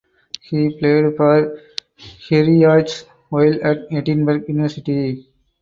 He played for Heriots while at Edinburgh University.